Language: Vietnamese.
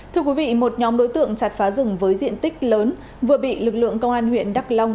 thưa quý vị một nhóm đối tượng chặt phá rừng với diện tích lớn vừa bị lực lượng công an huyện đắk long